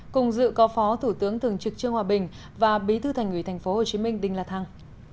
cùng dự có phó thủ tướng thường trực trương hòa bình và bí thư thành ủy thành phố hồ chí minh đinh lạt thăng